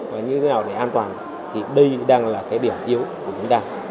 và như thế nào để an toàn thì đây đang là cái điểm yếu của chúng ta